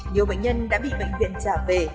nhiều bệnh nhân đã bị bệnh viện trả về